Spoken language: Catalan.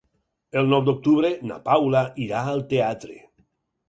El nou d'octubre na Paula irà al teatre.